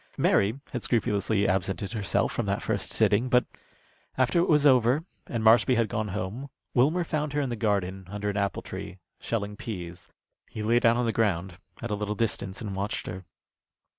Mary had scrupulously absented herself from that first sitting; but after it was over and Marshby had gone home, Wilmer found her in the garden, under an apple tree, shelling pease. He lay down on the ground, at a little distance, and watched her.